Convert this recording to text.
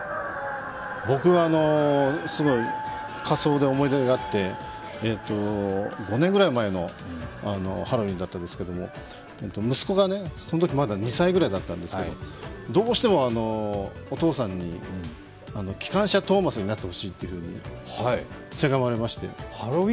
僕は仮装で思い出があって、５年ぐらい前のハロウィーンだったんですけど、息子がそのときまだ２歳ぐらいだったんですけどどうしてもお父さんにきかんしゃトーマスになってほしいとせがまれまして。